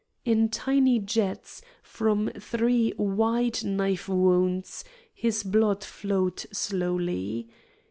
In tiny jets, from three wide knife wounds, his blood flowed slowly.